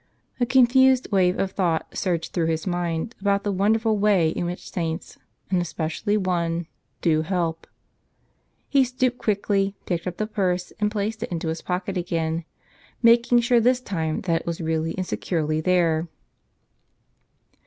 A confused wave of thought surged through his mind about the wonder¬ ful way in which saints — and especially one — do help. He stooped quickly, picked up the purse and placed it into his pocket again, making sure this time that it was really and securely there.